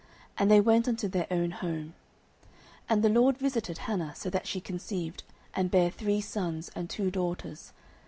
And they went unto their own home. 09:002:021 And the LORD visited Hannah, so that she conceived, and bare three sons and two daughters.